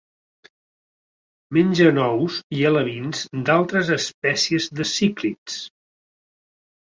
Mengen ous i alevins d'altres espècies de cíclids.